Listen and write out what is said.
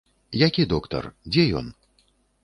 Які доктар, дзе ён?